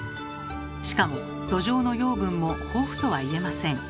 しかも土壌の養分も豊富とは言えません。